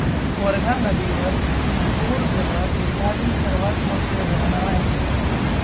वर्धा नदीवर सिंबोराजवळ जिल्ह्यातील सर्वात मोठे धरण आहे.